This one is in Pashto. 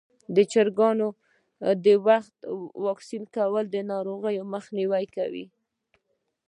د چرګانو وختي واکسین کول ناروغۍ مخنیوی کوي.